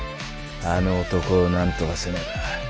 あの男をなんとかせねば。